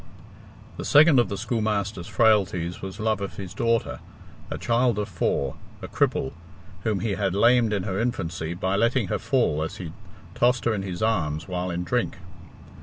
The second of the schoolmaster's frailties was love of his daughter, a child of four, a cripple, whom he had lamed in her infancy, by letting her fall as he tossed her in his arms while in drink.